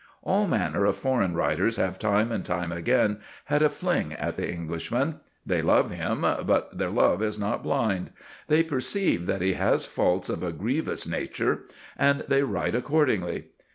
All manner of foreign writers have time and time again had a fling at the Englishman. They love him, but their love is not blind. They perceive that he has faults of a grievous nature, and they write accordingly.